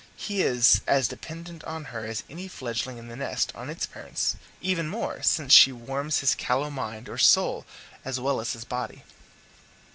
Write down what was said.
He is as dependent on her as any fledgling in the nest on its parent even more, since she warms his callow mind or soul as well as body.